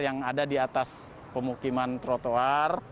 yang ada di atas pemukiman trotoar